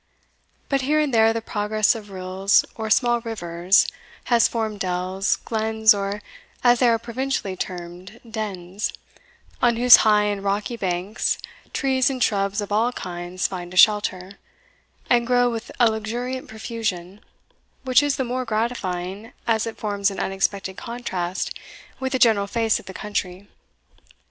But here and there the progress of rills, or small rivers, has formed dells, glens, or as they are provincially termed, dens, on whose high and rocky banks trees and shrubs of all kinds find a shelter, and grow with a luxuriant profusion, which is the more gratifying, as it forms an unexpected contrast with the general face of the country.